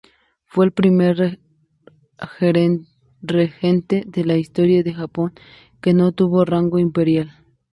Fue el primer regente de la historia de Japón que no tuvo rango imperial.